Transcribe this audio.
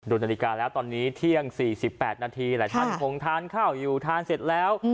นาฬิกาแล้วตอนนี้เที่ยง๔๘นาทีหลายท่านคงทานข้าวอยู่ทานเสร็จแล้ว